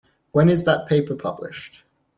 When is that paper published?